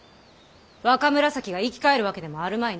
若紫が生き返るわけでもあるまいに。